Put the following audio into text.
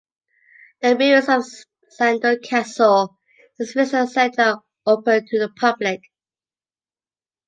The ruins of Sandal Castle and its visitor centre are open to the public.